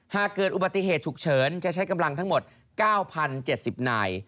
หากเกิดอุบัติเหตุฉุกเฉินจะใช้กำลังทั้งหมด๙๐๗๐นาย